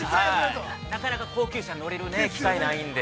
◆なかなか高級車に乗れる機会はないので。